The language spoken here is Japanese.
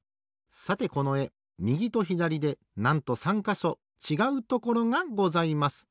さてこのえみぎとひだりでなんと３かしょちがうところがございます。